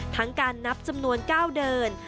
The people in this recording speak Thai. ทั้งการนับจำนวนก้าวเดิน